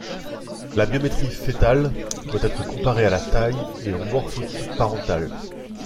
La biométrie fœtale doit être comparée à la taille et au morphotype parental.